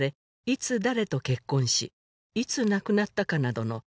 「いつ誰と結婚しいつ亡くなったかなどの」